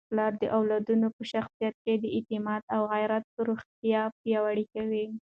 پلار د اولادونو په شخصیت کي د اعتماد او غیرت روحیه پیاوړې کوي.